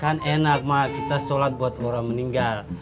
kan enak mak kita sholat buat orang meninggal